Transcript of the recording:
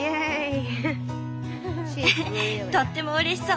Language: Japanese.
ウフとってもうれしそう。